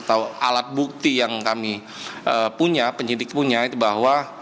atau alat bukti yang kami punya penyidik punya itu bahwa